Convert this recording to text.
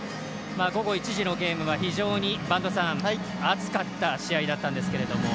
午後１時のゲームは非常に暑かった試合だったんですけども。